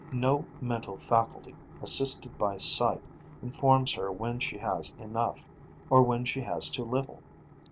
No mental faculty, assisted by sight, informs her when she has enough, or when she has too little.